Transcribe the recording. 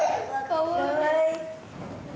かわいい。